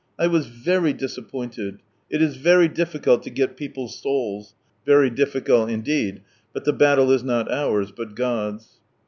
I was very disappointed. It is very difficult to get people's souls." Very difficult indeed I But the battle is not ours but God's.